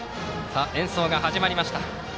演奏が始まりました。